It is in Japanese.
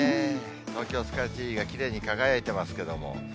東京スカイツリーがきれいに輝いてますけども。